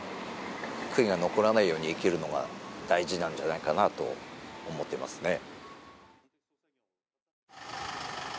悔いが残らないように生きるのが大事なんじゃないかなと思っていますね。